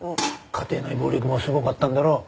家庭内暴力もすごかったんだろ？